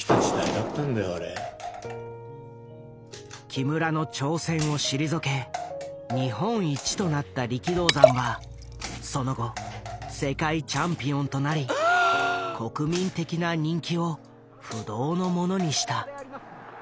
木村の挑戦を退け日本一となった力道山はその後世界チャンピオンとなり国民的な人気を不動のものにした。